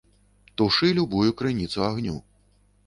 Тушы любую крыніцу агню.